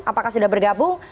apakah sudah bergabung